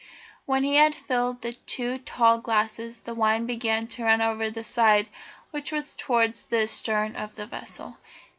When he had filled the two tall glasses the wine began to run over the side which was toward the stern of the vessel.